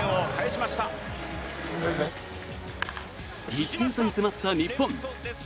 １点差に迫った日本。